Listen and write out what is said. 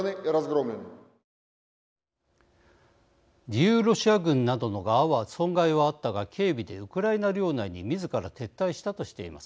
自由ロシア軍などの側は損害はあったが軽微でウクライナ領内にみずから撤退したとしています。